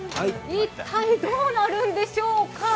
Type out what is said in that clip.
一体どうなるんでしょうか？